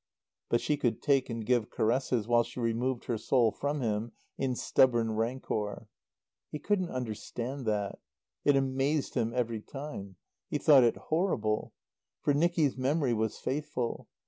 But she could take and give caresses while she removed her soul from him in stubborn rancour. He couldn't understand that. It amazed him every time. He thought it horrible. For Nicky's memory was faithful.